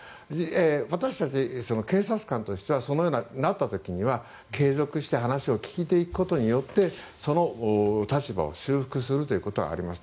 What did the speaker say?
私たち、警察官としてはそのようになった時には継続して話を聞いていくことによってその立場を修復するということがあります。